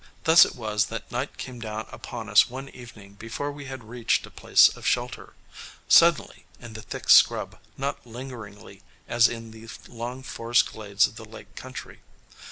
Thus it was that night came down upon us one evening before we had reached a place of shelter suddenly, in the thick scrub, not lingeringly, as in the long forest glades of the lake country.